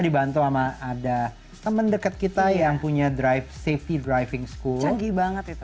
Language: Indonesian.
dibantu sama ada temen deket kita yang punya drive safety driving school tinggi banget itu